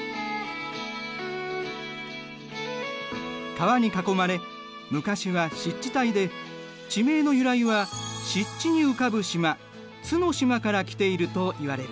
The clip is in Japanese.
川に囲まれ昔は湿地帯で地名の由来は湿地に浮かぶ島津の島から来ているといわれる。